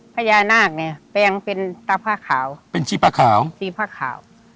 พญานาคเนี่ยแปลงเป็นตาผ้าขาวเป็นชีผ้าขาวชีผ้าขาว